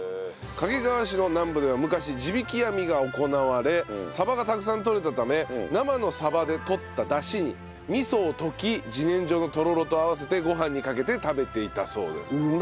掛川市の南部では昔地引網が行われサバがたくさんとれたため生のサバで取った出汁に味噌を溶き自然薯のとろろと合わせてご飯にかけて食べていたそうです。